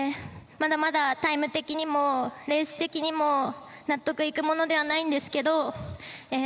まだまだタイム的にもレース的にも納得いくものではないんですけどええ